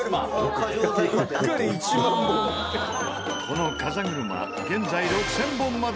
この風車現在６０００本まで消費。